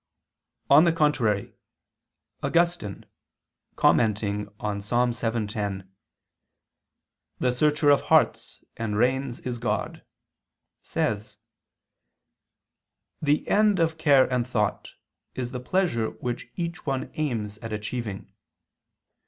On the contrary, Augustine, commenting on Ps. 7:10 "The searcher of hearts and reins is God," says: "The end of care and thought is the pleasure which each one aims at achieving."